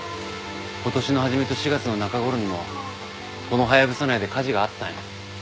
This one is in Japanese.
今年の始めと４月の中頃にもこのハヤブサ内で火事があったんや。